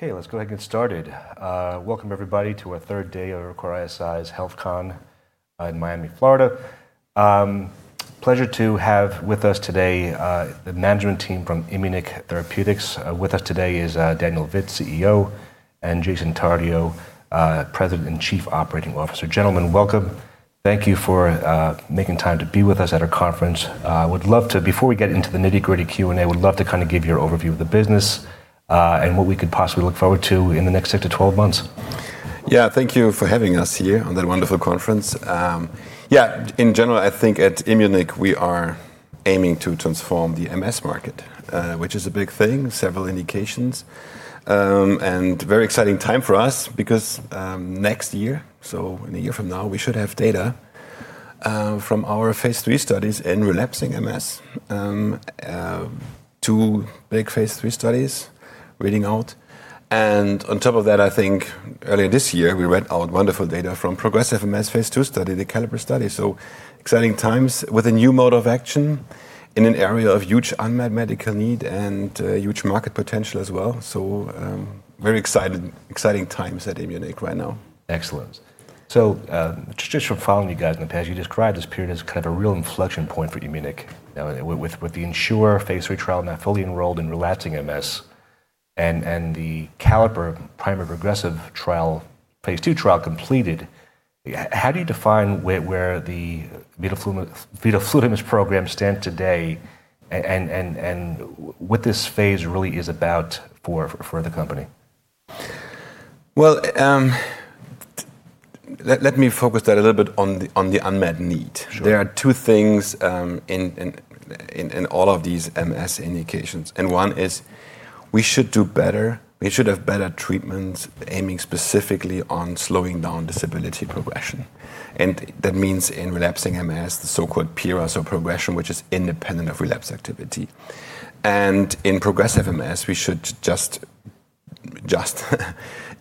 Okay, let's go ahead and get started. Welcome, everybody, to our third day of Evercore ISI's HealthCONx in Miami, Florida. Pleasure to have with us today the management team from Immunic Therapeutics. With us today is Daniel Vitt, CEO, and Jason Tardio, President and Chief Operating Officer. Gentlemen, welcome. Thank you for making time to be with us at our conference. I would love to, before we get into the nitty-gritty Q&A, I would love to kind of give your overview of the business and what we could possibly look forward to in the next six to 12 months. Yeah, thank you for having us here at that wonderful conference. Yeah, in general, I think at Immunic we are aiming to transform the MS market, which is a big thing, several indications, and a very exciting time for us because next year, so in a year from now, we should have data from our Phase 3 studies in relapsing MS, two big Phase 3 studies reading out. On top of that, I think earlier this year we read out wonderful data from progressive MS Phase 2 study, the CALLIPER study. Exciting times with a new mode of action in an area of huge unmet medical need and huge market potential as well. Very exciting times at Immunic right now. Excellent. So just from following you guys in the past, you described this period as kind of a real inflection point for Immunic with the ENSURE phase three trial now fully enrolled in relapsing MS and the CALLIPER primary progressive trial, Phase 2 trial completed. How do you define where the vidofludimus this program stands today and what this phase really is about for the company? Let me focus that a little bit on the unmet need. There are two things in all of these MS indications. And one is we should do better. We should have better treatments aiming specifically on slowing down disability progression. And that means in relapsing MS, the so-called PIRA or progression, which is independent of relapse activity. And in progressive MS, we should just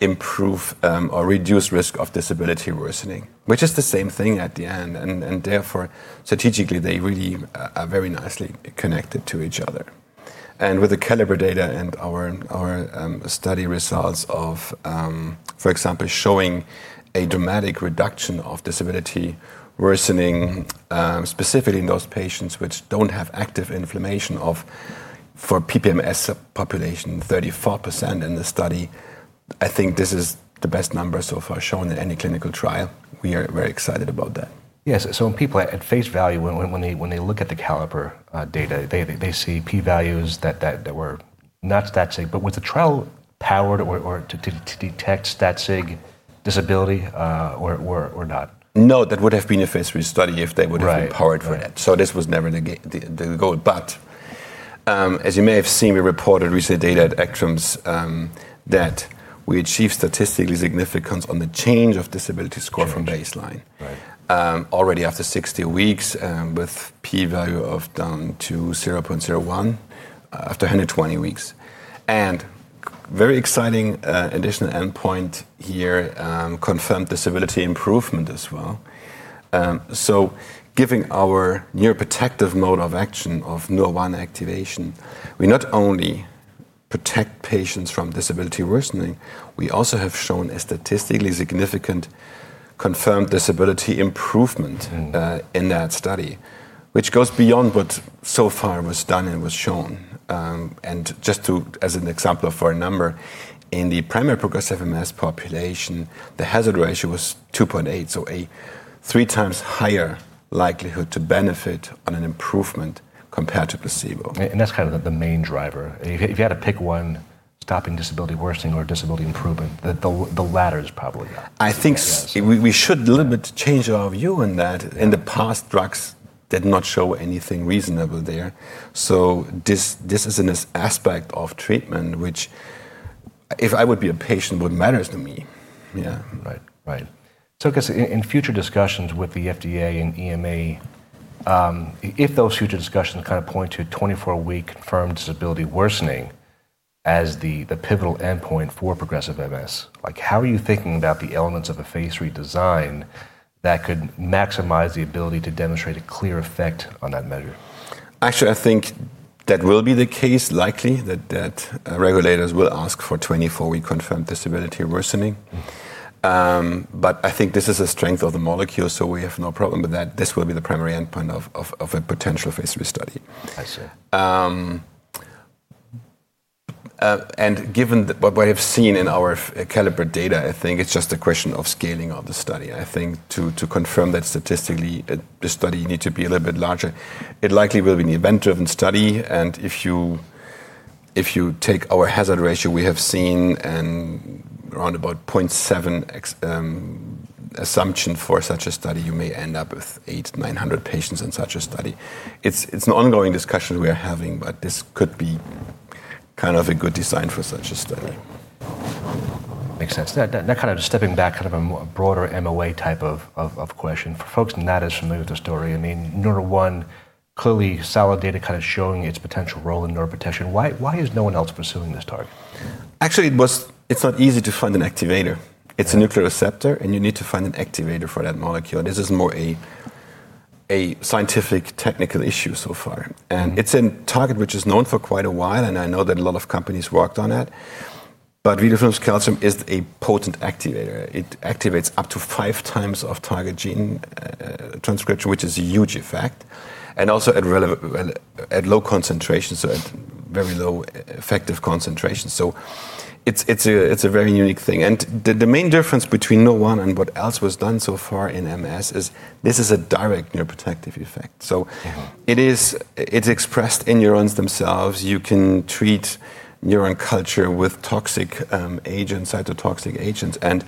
improve or reduce the risk of disability worsening, which is the same thing at the end. And therefore, strategically, they really are very nicely connected to each other. And with the CALLIPER data and our study results of, for example, showing a dramatic reduction of disability worsening, specifically in those patients which don't have active inflammation for PPMS population, 34% in the study. I think this is the best number so far shown in any clinical trial. We are very excited about that. Yes. So when people at face value, when they look at the CALLIPER data, they see P values that were not stat-sig, but was the trial powered or to detect stat-sig disability or not? No, that would have been a Phase 3 study if they would have been powered for that. So this was never the goal. But as you may have seen, we reported recently data at ACTRIMS that we achieved statistical significance on the change of disability score from baseline already after 60 weeks with P value of down to 0.01 after 120 weeks. And very exciting additional endpoint here confirmed disability improvement as well. So giving our neuroprotective mode of action of neuron activation, we not only protect patients from disability worsening, we also have shown a statistically significant confirmed disability improvement in that study, which goes beyond what so far was done and was shown. And just as an example for a number, in the primary progressive MS population, the hazard ratio was 2.8, so a 3x higher likelihood to benefit on an improvement compared to placebo. And that's kind of the main driver. If you had to pick one, stopping disability worsening or disability improvement, the latter is probably. I think we should a little bit change our view on that. In the past, drugs did not show anything reasonable there. So this is an aspect of treatment which, if I would be a patient, would matter to me. Right, so in future discussions with the FDA and EMA, if those future discussions kind of point to 24-week confirmed disability worsening as the pivotal endpoint for progressive MS, how are you thinking about the elements of a Phase 3 design that could maximize the ability to demonstrate a clear effect on that measure? Actually, I think that will be the case, likely that regulators will ask for 24-week confirmed disability worsening, but I think this is a strength of the molecule, so we have no problem with that. This will be the primary endpoint of a potential Phase 3 study, and given what I have seen in our CALLIPER data, I think it's just a question of scaling of the study. I think to confirm that statistically, the study needs to be a little bit larger. It likely will be an event-driven study, and if you take our hazard ratio, we have seen around about 0.7 assumption for such a study, you may end up with 800, 900 patients in such a study. It's an ongoing discussion we are having, but this could be kind of a good design for such a study. Makes sense. That kind of stepping back, kind of a broader MOA type of question for folks not as familiar with the story. I mean, one, clearly solid data kind of showing its potential role in neuroprotection. Why is no one else pursuing this target? Actually, it's not easy to find an activator. It's a nuclear receptor, and you need to find an activator for that molecule. This is more a scientific technical issue so far, and it's a target which is known for quite a while, and I know that a lot of companies worked on it, but vidofludimus calcium is a potent activator. It activates up to five times of target gene transcription, which is a huge effect, and also at low concentrations, so at very low effective concentrations, so it's a very unique thing, and the main difference between Nurr1 and what else was done so far in MS is this is a direct neuroprotective effect, so it's expressed in neurons themselves. You can treat neuronal culture with toxic agents, cytotoxic agents, and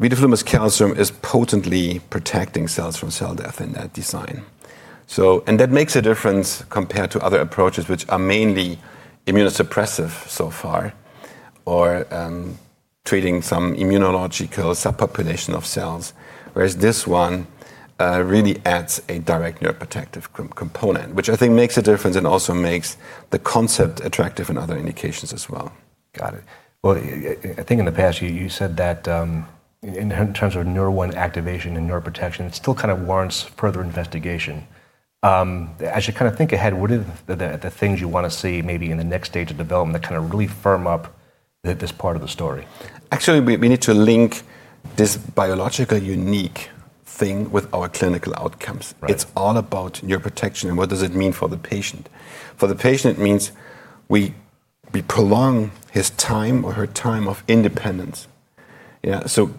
vidofludimus calcium is potently protecting cells from cell death in that design. That makes a difference compared to other approaches, which are mainly immunosuppressive so far or treating some immunological subpopulation of cells, whereas this one really adds a direct neuroprotective component, which I think makes a difference and also makes the concept attractive in other indications as well. Got it. Well, I think in the past, you said that in terms of neuron activation and neuroprotection, it still kind of warrants further investigation. As you kind of think ahead, what are the things you want to see maybe in the next stage of development that kind of really firm up this part of the story? Actually, we need to link this biological unique thing with our clinical outcomes. It's all about neuroprotection and what does it mean for the patient. For the patient, it means we prolong his time or her time of independence. So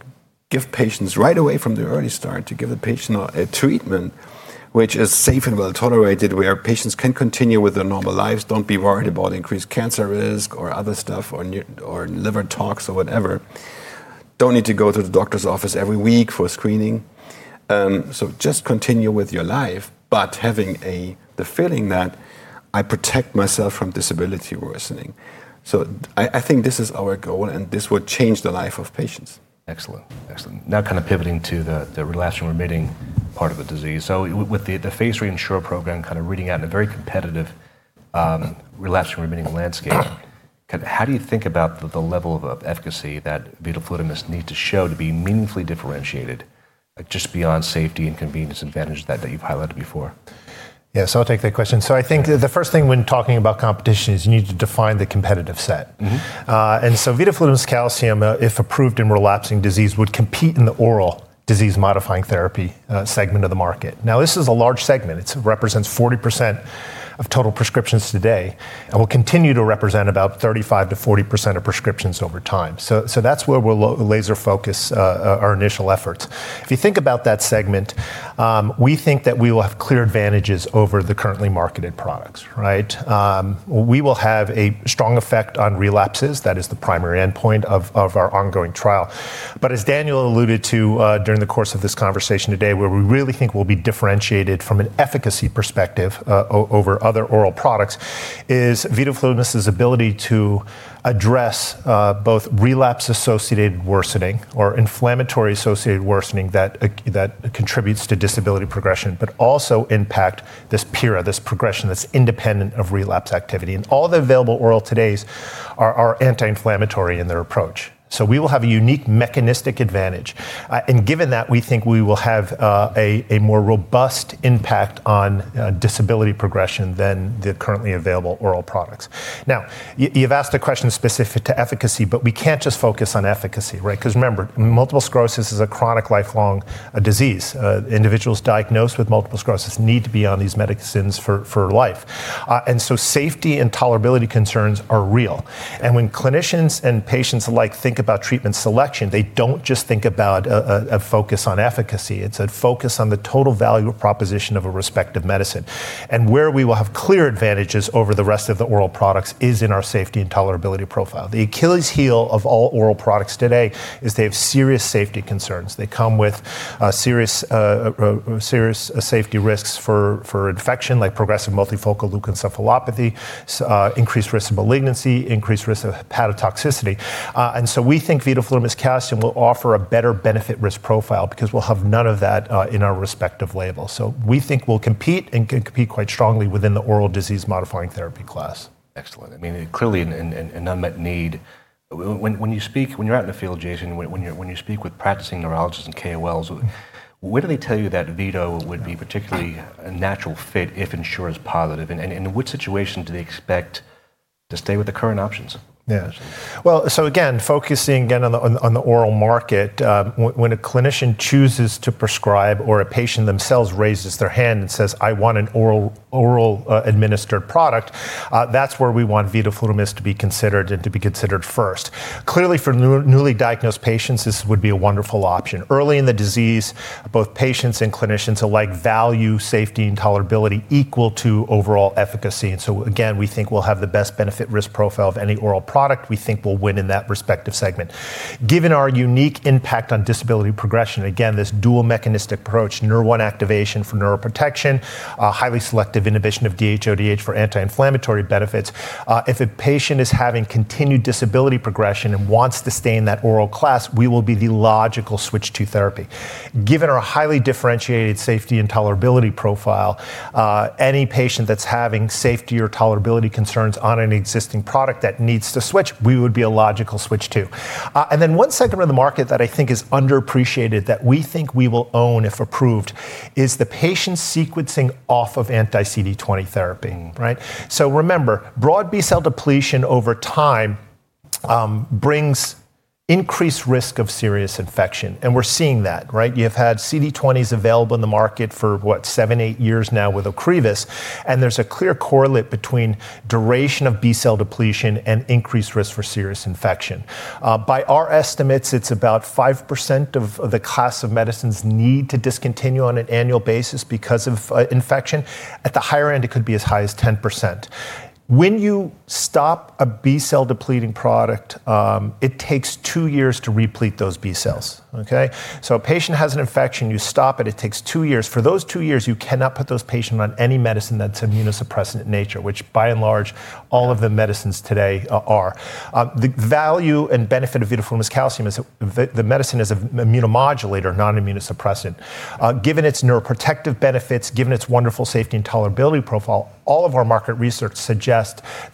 give patients right away from the early start to give the patient a treatment which is safe and well tolerated, where patients can continue with their normal lives. Don't be worried about increased cancer risk or other stuff or liver tox or whatever. Don't need to go to the doctor's office every week for screening. So just continue with your life, but having the feeling that I protect myself from disability worsening. So I think this is our goal, and this would change the life of patients. Excellent. Now kind of pivoting to the relapsing-remitting part of the disease. So with the Phase 3 ENSURE program kind of reading out in a very competitive relapsing-remitting landscape, how do you think about the level of efficacy that vidofludimus needs to show to be meaningfully differentiated just beyond safety and convenience advantages that you've highlighted before? Yeah, so I'll take that question. So I think the first thing when talking about competition is you need to define the competitive set. And so vidofludimus calcium, if approved in relapsing disease, would compete in the oral disease-modifying therapy segment of the market. Now, this is a large segment. It represents 40% of total prescriptions today and will continue to represent about 35%-40% of prescriptions over time. So that's where we'll laser focus our initial efforts. If you think about that segment, we think that we will have clear advantages over the currently marketed products. We will have a strong effect on relapses. That is the primary endpoint of our ongoing trial. But as Daniel alluded to during the course of this conversation today, where we really think we'll be differentiated from an efficacy perspective over other oral products is vidofludimus calcium's ability to address both relapse-associated worsening or inflammatory-associated worsening that contributes to disability progression, but also impact this PIRA, this progression that's independent of relapse activity. And all the available orals today are anti-inflammatory in their approach. So we will have a unique mechanistic advantage. And given that, we think we will have a more robust impact on disability progression than the currently available oral products. Now, you've asked a question specific to efficacy, but we can't just focus on efficacy, right? Because remember, multiple sclerosis is a chronic lifelong disease. Individuals diagnosed with multiple sclerosis need to be on these medicines for life. And so safety and tolerability concerns are real. And when clinicians and patients alike think about treatment selection, they don't just think about a focus on efficacy. It's a focus on the total value proposition of a respective medicine. And where we will have clear advantages over the rest of the oral products is in our safety and tolerability profile. The Achilles heel of all oral products today is they have serious safety concerns. They come with serious safety risks for infection, like progressive multifocal leukoencephalopathy, increased risk of malignancy, increased risk of hepatotoxicity. And so we think vidofludimus calcium will offer a better benefit-risk profile because we'll have none of that in our respective labels. So we think we'll compete and compete quite strongly within the oral disease-modifying therapy class. Excellent. I mean, clearly an unmet need. When you speak, when you're out in the field, Jason, when you speak with practicing neurologists and KOLs, where do they tell you that vidofludimus would be particularly a natural fit if ENSURE positive? And in what situation do they expect to stay with the current options? Yeah. Well, so again, focusing again on the oral market, when a clinician chooses to prescribe or a patient themselves raises their hand and says, "I want an oral administered product," that's where we want vidofludimus to be considered and to be considered first. Clearly, for newly diagnosed patients, this would be a wonderful option. Early in the disease, both patients and clinicians alike value safety and tolerability equal to overall efficacy. And so again, we think we'll have the best benefit-risk profile of any oral product we think will win in that respective segment. Given our unique impact on disability progression, again, this dual mechanistic approach, nuclear activation for neuroprotection, highly selective inhibition of DHODH for anti-inflammatory benefits, if a patient is having continued disability progression and wants to stay in that oral class, we will be the logical switch to therapy. Given our highly differentiated safety and tolerability profile, any patient that's having safety or tolerability concerns on an existing product that needs to switch, we would be a logical switch to. And then one segment of the market that I think is underappreciated that we think we will own if approved is the patient sequencing off of anti-CD20 therapy. So remember, broad B-cell depletion over time brings increased risk of serious infection. And we're seeing that. You've had CD20s available in the market for, what, seven, eight years now with Ocrevus, and there's a clear correlate between duration of B-cell depletion and increased risk for serious infection. By our estimates, it's about 5% of the class of medicines need to discontinue on an annual basis because of infection. At the higher end, it could be as high as 10%. When you stop a B-cell depleting product, it takes two years to replete those B-cells, so a patient has an infection, you stop it, it takes two years. For those two years, you cannot put those patients on any medicine that's immunosuppressant in nature, which by and large, all of the medicines today are. The value and benefit of vidofludimus calcium is the medicine is an immunomodulator, not an immunosuppressant. Given its neuroprotective benefits, given its wonderful safety and tolerability profile, all of our market research suggests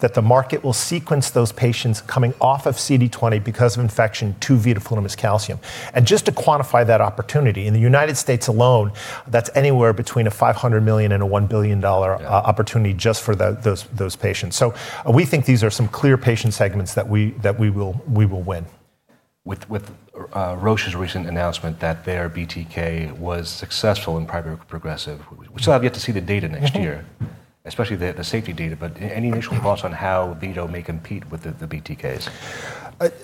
that the market will sequence those patients coming off of CD20 because of infection to vidofludimus calcium, and just to quantify that opportunity, in the United States alone, that's anywhere between $500 million and $1 billion opportunity just for those patients, so we think these are some clear patient segments that we will win. With Roche's recent announcement that their BTK was successful in primary progressive, we still have yet to see the data next year, especially the safety data. But any initial thoughts on how vidofludimus may compete with the BTKs?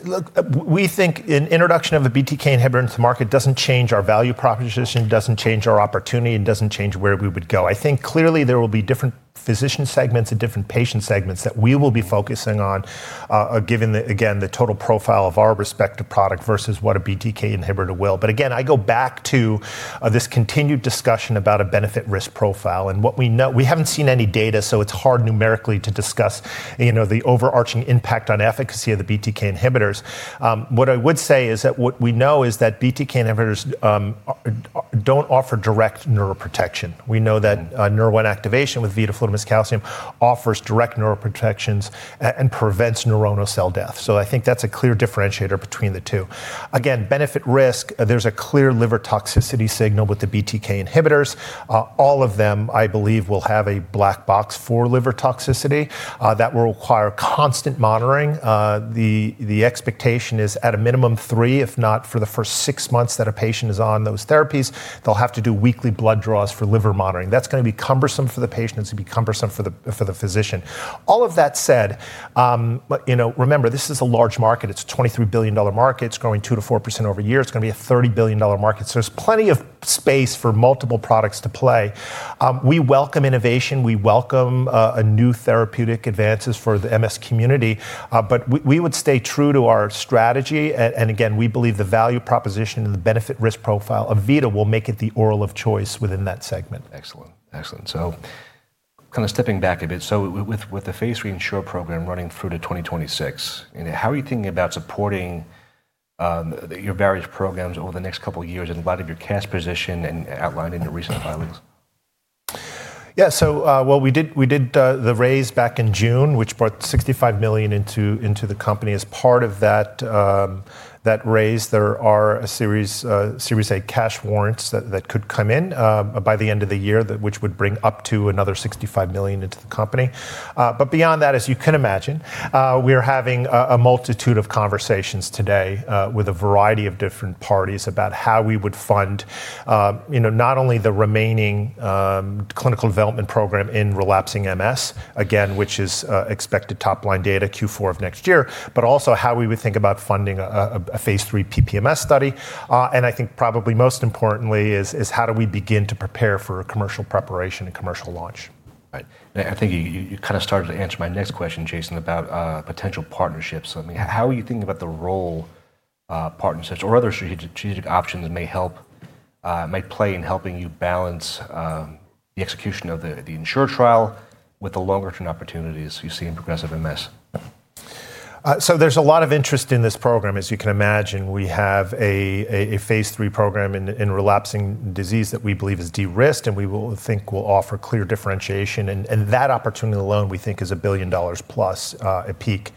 Look, we think an introduction of a BTK inhibitor into the market doesn't change our value proposition, doesn't change our opportunity, and doesn't change where we would go. I think clearly there will be different physician segments and different patient segments that we will be focusing on, given, again, the total profile of our respective product versus what a BTK inhibitor will. But again, I go back to this continued discussion about a benefit-risk profile. And what we know, we haven't seen any data, so it's hard numerically to discuss the overarching impact on efficacy of the BTK inhibitors. What I would say is that what we know is that BTK inhibitors don't offer direct neuroprotection. We know that Nurr1 activation with vidofludimus calcium offers direct neuroprotection and prevents neuronal cell death. So I think that's a clear differentiator between the two. Again, benefit-risk, there's a clear liver toxicity signal with the BTK inhibitors. All of them, I believe, will have a black box for liver toxicity that will require constant monitoring. The expectation is at a minimum three, if not for the first six months that a patient is on those therapies, they'll have to do weekly blood draws for liver monitoring. That's going to be cumbersome for the patient. It's going to be cumbersome for the physician. All of that said, remember, this is a large market. It's a $23 billion market. It's growing 2%-4% over a year. It's going to be a $30 billion market. So there's plenty of space for multiple products to play. We welcome innovation. We welcome new therapeutic advances for the MS community. But we would stay true to our strategy. Again, we believe the value proposition and the benefit-risk profile of vidofludimus calcium will make it the oral of choice within that segment. Excellent. Excellent. So kind of stepping back a bit. So with the Phase 3 ENSURE program running through to 2026, how are you thinking about supporting your various programs over the next couple of years in light of your cash position and outlined in your recent filings? Yeah, so well, we did the raise back in June, which brought $65 million into the company. As part of that raise, there are a series of cash warrants that could come in by the end of the year, which would bring up to another $65 million into the company, but beyond that, as you can imagine, we are having a multitude of conversations today with a variety of different parties about how we would fund not only the remaining clinical development program in relapsing MS, again, which is expected top-line data Q4 of next year, but also how we would think about funding a Phase 3 PPMS study, and I think probably most importantly is how do we begin to prepare for commercial preparation and commercial launch. I think you kind of started to answer my next question, Jason, about potential partnerships. How are you thinking about the role partnerships or other strategic options that may play in helping you balance the execution of the ENSURE trial with the longer-term opportunities you see in progressive MS? So there's a lot of interest in this program. As you can imagine, we have a phase 3 program in relapsing disease that we believe is de-risked, and we think will offer clear differentiation. And that opportunity alone, we think, is $1 billion plus a peak.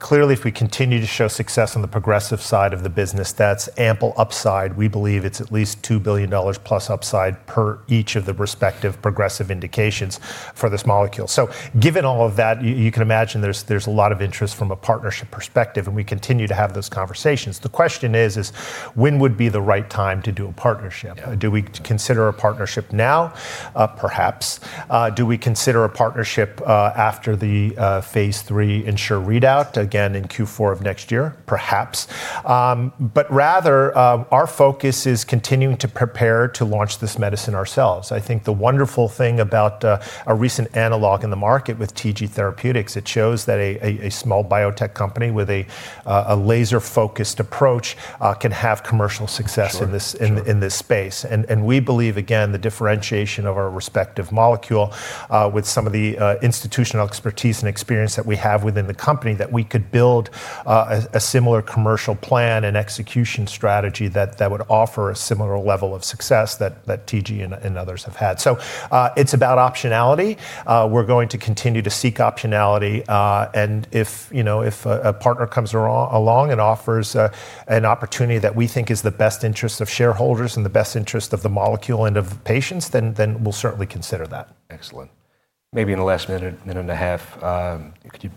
Clearly, if we continue to show success on the progressive side of the business, that's ample upside. We believe it's at least $2 billion plus upside per each of the respective progressive indications for this molecule. So given all of that, you can imagine there's a lot of interest from a partnership perspective, and we continue to have those conversations. The question is, when would be the right time to do a partnership? Do we consider a partnership now? Perhaps. Do we consider a partnership after the Phase 3 ENSURE readout, again, in Q4 of next year? Perhaps. But rather, our focus is continuing to prepare to launch this medicine ourselves. I think the wonderful thing about a recent analog in the market with TG Therapeutics. It shows that a small biotech company with a laser-focused approach can have commercial success in this space. And we believe, again, the differentiation of our respective molecule with some of the institutional expertise and experience that we have within the company that we could build a similar commercial plan and execution strategy that would offer a similar level of success that TG and others have had. So it's about optionality. We're going to continue to seek optionality. And if a partner comes along and offers an opportunity that we think is the best interest of shareholders and the best interest of the molecule and of the patients, then we'll certainly consider that. Excellent. Maybe in the last minute and a half, could you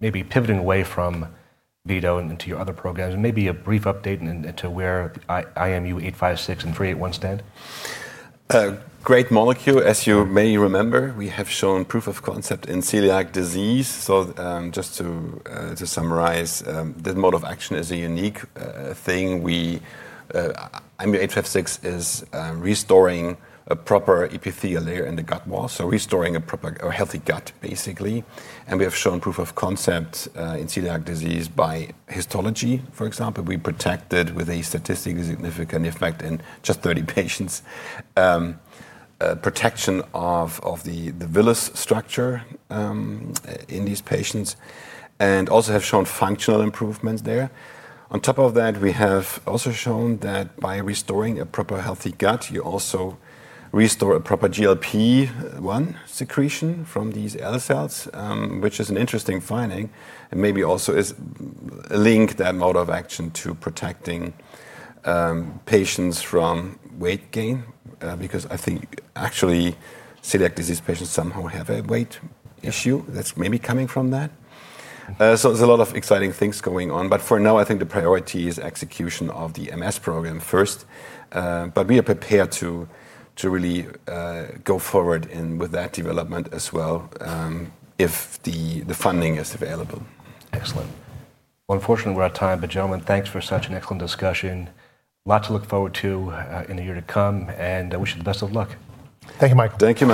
maybe pivoting away from Vito and into your other programs and maybe a brief update into where IMU-856 and IMU-381 stand? Great molecule. As you may remember, we have shown proof of concept in celiac disease. So just to summarize, this mode of action is a unique thing. IMU-856 is restoring a proper epithelial layer in the gut wall, so restoring a healthy gut, basically. And we have shown proof of concept in celiac disease by histology, for example. We protected with a statistically significant effect in just 30 patients protection of the villous structure in these patients and also have shown functional improvements there. On top of that, we have also shown that by restoring a proper healthy gut, you also restore a proper GLP-1 secretion from these L-cells, which is an interesting finding and maybe also is linked that mode of action to protecting patients from weight gain because I think actually celiac disease patients somehow have a weight issue that's maybe coming from that. There's a lot of exciting things going on. For now, I think the priority is execution of the MS program first. We are prepared to really go forward with that development as well if the funding is available. Excellent. Well, unfortunately, we're out of time. But gentlemen, thanks for such an excellent discussion. Lots to look forward to in the year to come. And I wish you the best of luck. Thank you, Michael. Thank you.